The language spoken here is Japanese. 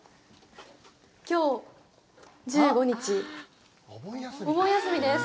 きょう、１５日、お盆休みです。